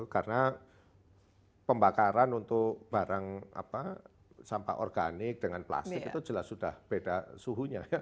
karena pembakaran untuk barang sampah organik dengan plastik itu jelas sudah beda suhunya